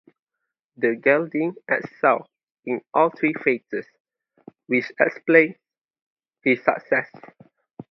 The gelding excelled in all three phases, which explains his success.